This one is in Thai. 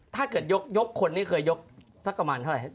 ถ้าเกิดยกคนนี้เคยยกสักประมาณเท่าไหร่